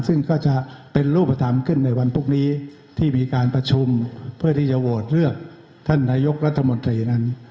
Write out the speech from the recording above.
ซึ่งก็จะเป็นรูปธรรมขึ้นในวันพรุ่งนี้ที่มีการประชุมเพื่อที่จะโหวตเลือกท่านนายกรัฐมนตรีนั้น